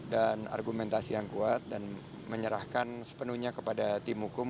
dan argumentasi yang kuat dan menyerahkan sepenuhnya kepada tim hukum